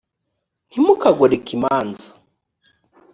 ntimukagoreke imanza